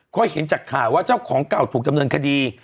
ก็เห็นจากข่าวว่าเจ้าของเก่าถูกดำเนินคดี